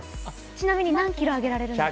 ちなみに何キロ挙げられるんですか？